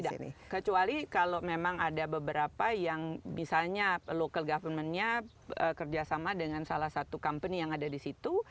tidak kecuali kalau memang ada beberapa yang misalnya local government nya kerjasama dengan salah satu company yang ada di situ